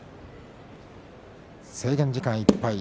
制限時間いっぱい。